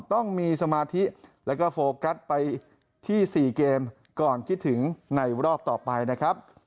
ต้องมีสมาธิแล้วก็โฟกัสไปที่๔เกมก่อนคิดถึงในรอบต่อไปนะครับ